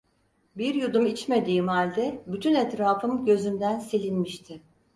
Bir yudum içmediğim halde bütün etrafım gözümden silinmişti.